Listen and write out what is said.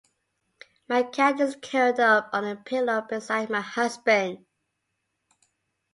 My cat is curled up on the pillow beside my husband.